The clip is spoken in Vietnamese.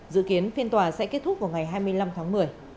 dự kiến phiên tòa sẽ kết thúc vào ngày hai mươi năm tháng một mươi